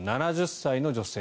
７０歳の女性。